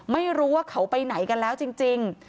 ไม่รู้ว่าเขาไปไหนกันแล้วจริง